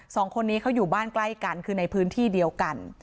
สองคนนี้เขาอยู่บ้านใกล้กันคือในพื้นที่เดียวกัน